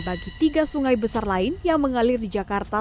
bagi tiga sungai besar lain yang mengalir di jakarta